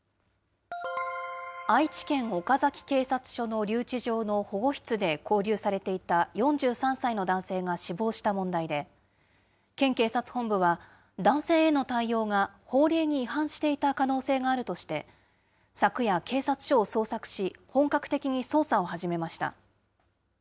愛知県岡崎警察署の留置場の保護室で勾留されていた４３歳の男性が死亡した問題で、県警察本部は、男性への対応が法令に違反していた可能性があるとして、昨夜、警察署を捜索し、本格的に捜査を始めました。